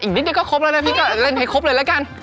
นิดนึงก็ครบแล้วนะพี่ก็เล่นให้ครบเลยละกัน